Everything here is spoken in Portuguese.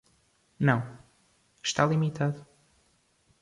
Não, está limitado.